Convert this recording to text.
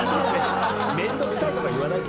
面倒くさいとか言わないで。